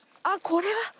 あっこれは。